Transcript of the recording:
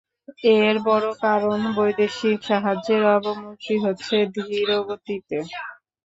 এর বড় কারণ, বৈদেশিক সাহায্যের অবমুক্তি হচ্ছে ধীরগতিতে।